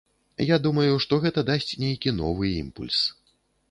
Я думаю, што гэта дасць нейкі новы імпульс.